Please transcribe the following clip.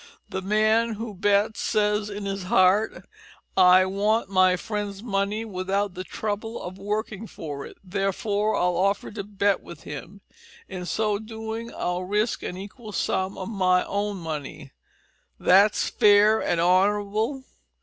The man who bets says in his heart, `I want my friend's money without the trouble of working for it, therefore I'll offer to bet with him. In so doing I'll risk an equal sum of my own money. That's fair and honourable!'